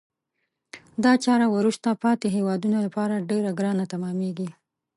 دا چاره وروسته پاتې هېوادونه لپاره ډیره ګرانه تمامیږي.